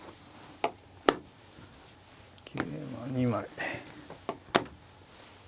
桂馬２枚。